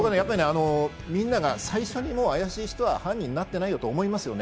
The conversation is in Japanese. みんなが最初にあやしい人は犯人になってないよと思いますよね。